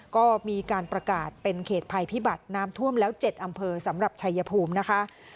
ก็มีการประกาศเป็นเขตภัยพิบัติน้ำท่วมแล้ว๗อำเภอสำหรับชัยภูมินะคะ